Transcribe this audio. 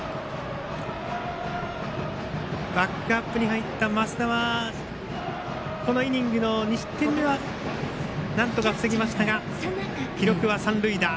バックアップに入った升田はこのイニングの２失点目はなんとか防ぎましたが記録は三塁打。